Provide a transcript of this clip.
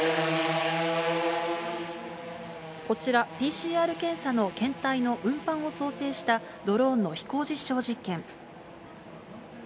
こちら、ＰＣＲ検査の検体の運搬を想定したドローンの飛行実証実験。